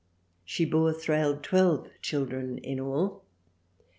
She bore Thrale twelve child ren in all.